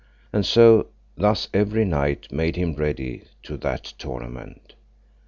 And so thus every knight made him ready to that tournament.